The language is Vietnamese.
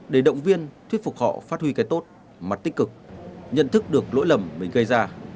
để động viên thuyết phục họ phát huy cái tốt mặt tích cực nhận thức được lỗi lầm mình gây ra